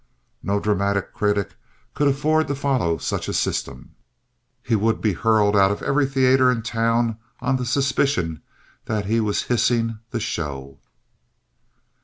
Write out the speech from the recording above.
No dramatic critic could afford to follow such a system. He would be hurled out of every theater in town on the suspicion that he was hissing the show.